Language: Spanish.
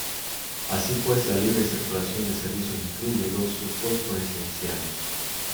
Así pues, la libre circulación de servicios incluye dos supuestos esenciales.